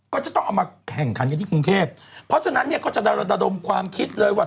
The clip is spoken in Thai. ก็จะดารมความคิดเลยว่า